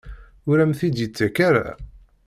Ur am-t-id-yettak ara?